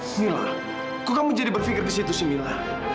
minah kok kamu jadi berpikir di situ sih minah